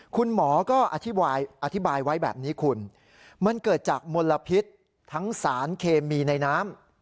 คุณหมอก็อธิบายอธิบายไว้แบบนี้คุณมันเกิดจากมลพิษทั้งสารเคมีในน้ำ